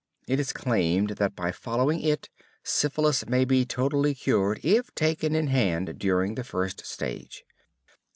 It is claimed that by following it, syphilis may be totally cured if taken in hand during the first stage.